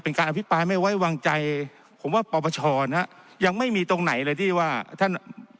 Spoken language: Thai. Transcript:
การอภิปรายไม่ไว้วางใจผมว่าปปชนะยังไม่มีตรงไหนเลยที่ว่าท่าน